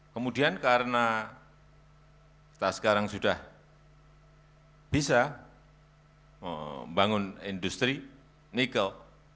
kemudian karena kita sekarang sudah bisa membangun industri nikel